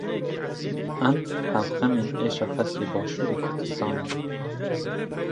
Em hevxemên êşa xelkê Başûrê Kurdistanê ne.